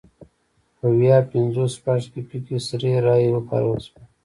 په ویا پینځوس شپږ کې پکې سري رایې وکارول شوې.